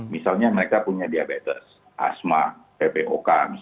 misalnya mereka punya diabetes asma pepulih